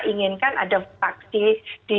inginkan ada fraksi di